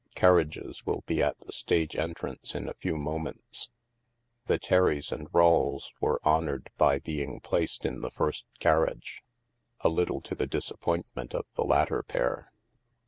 Carriages will be at the stage en trance in a few moments." The Terrys and Rawles were honored by being placed in the first carriage — a little to the disap pointment of the latter pair.